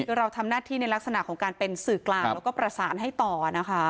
คือเราทำหน้าที่ในลักษณะของการเป็นสื่อกลางแล้วก็ประสานให้ต่อนะคะ